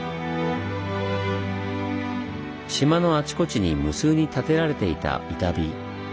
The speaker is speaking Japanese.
島のあちこちに無数に立てられていた板碑。